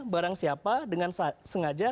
barang siapa dengan sengaja